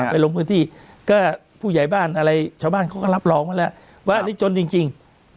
ไปลงพื้นที่ก็ผู้ใหญ่บ้านอะไรชาวบ้านเขาก็รับรองว่านี่จนจริง